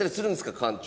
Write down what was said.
館長。